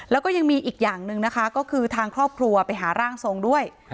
แล้วก็ยังมีอีกอย่างหนึ่งนะคะก็คือทางครอบครัวไปหาร่างทรงด้วย